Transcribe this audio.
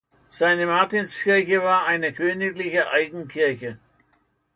Seine Martinskirche war eine königliche Eigenkirche.